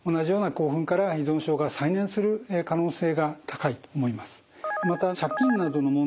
興奮から依存症が再燃する可能性が高いと思います。